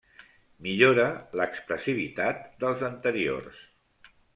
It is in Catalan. Millora l'expressivitat dels anteriors.